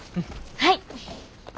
はい！